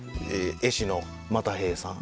絵師の又平さん